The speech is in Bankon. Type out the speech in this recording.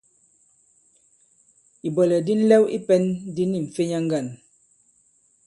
Ìbwɛ̀lɛ̀k di nlɛw i pɛ̄n di ni m̀fenya ŋgǎn.